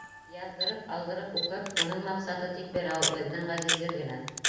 Яҙҙырып, алдырып уҡып, Уның маҡсаты тик берәү — Беҙҙең ғәзиз ер генә!